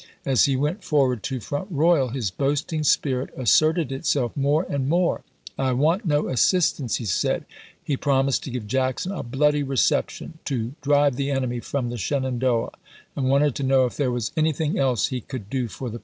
As he went forward to Front ^r. k. Royal his boasting spirit asserted itself more and part"!!!.; more. " I want no assistance," he said. He prom ^' ised to give Jackson "a bloody reception," to " drive ^^ May 2d 3)11(1 27. the enemy from the Shenandoah," and wanted to ^^ know if there was anything else he could do for the Part"^!